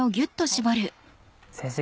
先生